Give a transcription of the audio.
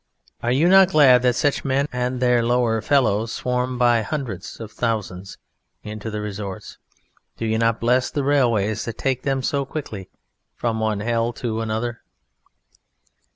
Are you not glad that such men and their lower fellows swarm by hundreds of thousands into the "resorts"? Do you not bless the railways that take them so quickly from one Hell to another.